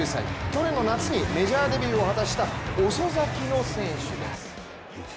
去年の夏に、メジャーデビューを果たした遅咲きの選手です。